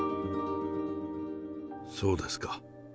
そうですか。